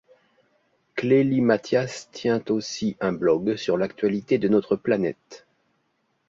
Clélie Mathias tient aussi un blog sur l'actualité de notre planète.